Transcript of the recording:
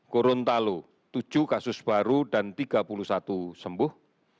gorontalo tujuh kasus baru dan tiga puluh satu sembuh